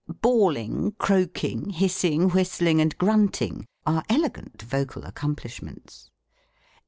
Bawling, croaking, hissing, whistling, and grunting, are elegant vocal accomplishments.